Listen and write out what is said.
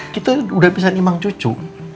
kita sudah bisa nimang cucu